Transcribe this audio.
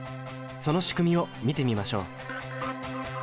その仕組みを見てみましょう。